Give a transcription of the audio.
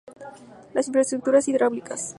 Las infraestructuras hidráulicas.